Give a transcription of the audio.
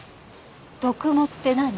読モって何？